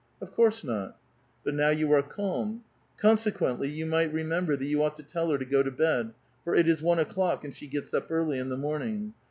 *' Of course not." *' But now you are calm ; consequently, you might remem ber* that you ought to tell her to go to bed, for it is one o'clock, and slie gets up early in the morning.